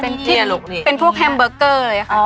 เป็นพวกแฮมเบอร์เกอร์เลยค่ะ